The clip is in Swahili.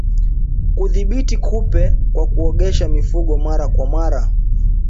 Kudhibiti kupe kwa kuogesha mifugo mara kwa mara